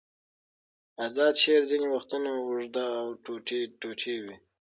آزاد شعر ځینې وختونه اوږد او ټوټې ټوټې وي.